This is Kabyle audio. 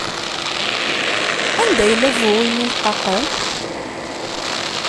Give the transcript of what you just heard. Anda yella bu wul-nni leqqaqen?